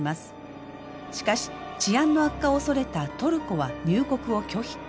しかし治安の悪化を恐れたトルコは入国を拒否。